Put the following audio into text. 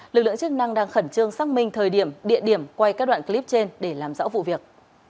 lực lượng chức năng đang khẩn trương xác minh thời điểm địa điểm quay các đoạn clip trên để làm rõ vụ việc